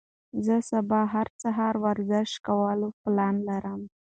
زه سبا سهار ورزش کولو پلان لرم.